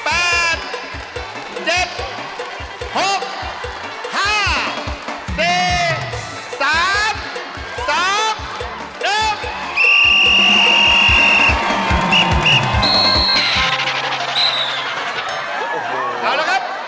๕อัน๕อัน